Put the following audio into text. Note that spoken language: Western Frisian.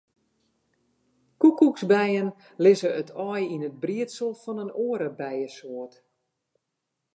Koekoeksbijen lizze it aai yn it briedsel fan in oare bijesoart.